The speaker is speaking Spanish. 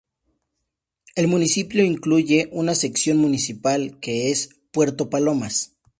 El municipio incluye una sección municipal, que es: Puerto Palomas.